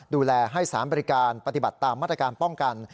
ดูแลให้สารบริการปฏิบัติตามมาตรการป้องกัน